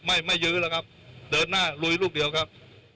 ไม่ไม่ยื้อแล้วครับเดินหน้าลุยลูกเดียวครับ